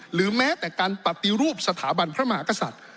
หรือแม้แต่การปฏิรูปสถาบันพระมหากษัตริย์